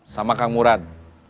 sama kang murad